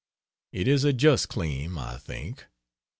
It is a just claim, I think.